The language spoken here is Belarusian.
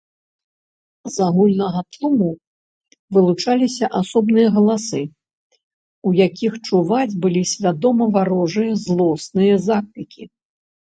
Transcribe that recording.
З агульнага тлуму вылучаліся асобныя галасы, у якіх чуваць былі свядома варожыя злосныя заклікі.